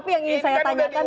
tapi yang ingin saya tanyakan